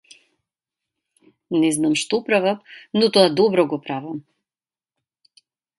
Не знам што правам но тоа добро го правам.